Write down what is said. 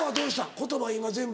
言葉今全部。